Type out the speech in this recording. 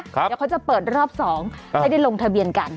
เดี๋ยวเขาจะเปิดรอบ๒ให้ได้ลงทะเบียนกัน